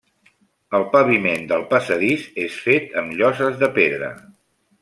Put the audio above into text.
El paviment del passadís és fet amb lloses de pedra.